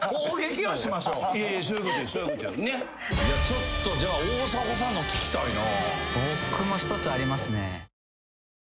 ちょっとじゃあ大迫さんの聞きたいな。